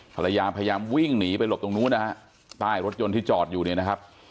พยายามวิ่งหนีไปหลบตรงนู้นนะฮะใต้รถยนต์ที่จอดอยู่เนี่ยนะครับ